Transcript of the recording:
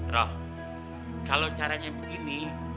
roh kalo caranya begini